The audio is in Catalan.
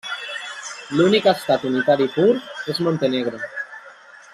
L'únic estat unitari pur és Montenegro.